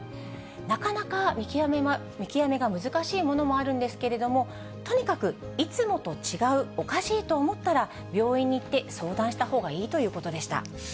なかなか見極めが難しいものもあるんですけれども、とにかくいつもと違う、おかしいと思ったら、病院に行って相談したほうがいいということでした。